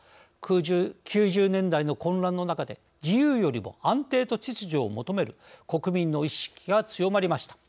９０年代の混乱の中で自由よりも安定と秩序を求める国民の意識が強まりました。